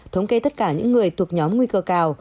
thống kê tất cả những người thuộc nhóm nguy cơ cao